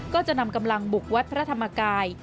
ก็จะนำกำลังบุกวัดพระธรรมกาย